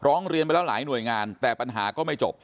ร้องเรียนไปแล้วหลายหน่วยงานแต่ปัญหาก็ไม่จบ